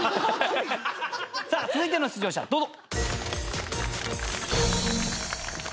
さあ続いての出場者どうぞ。